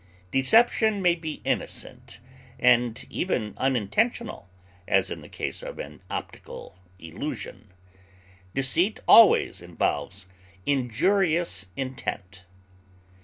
Deception may be innocent, and even unintentional, as in the case of an optical illusion; deceit always involves injurious intent.